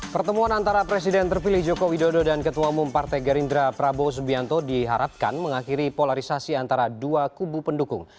pertemuan antara presiden terpilih joko widodo dan ketua umum partai gerindra prabowo subianto diharapkan mengakhiri polarisasi antara dua kubu pendukung